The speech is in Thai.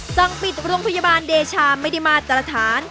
สั่งปิดโรงพยาบาลเดชาไม่ได้มาตรฐาน